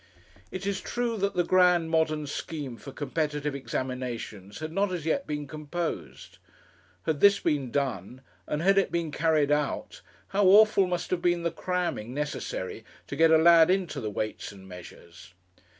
It is true that the grand modern scheme for competitive examinations had not as yet been composed. Had this been done, and had it been carried out, how awful must have been the cramming necessary to get a lad into the Weights and Measures!